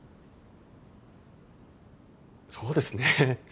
そうですね。